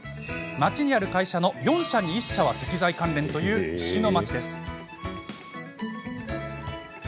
町にある会社の４社に１社は石材関連という石の町です。